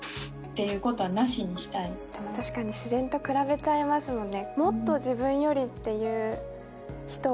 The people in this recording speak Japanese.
確かに自然と比べちゃいますもんね。